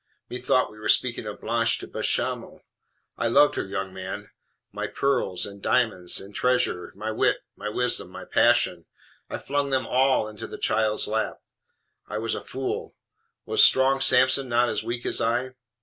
Methought we were speaking of Blanche de Bechamel. I loved her, young man. My pearls, and diamonds, and treasure, my wit, my wisdom, my passion, I flung them all into the child's lap. I was a fool. Was strong Samson not as weak as I?